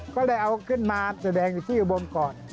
ก็เลยเอาขึ้นมาแสดงอยู่ที่อุบลก่อน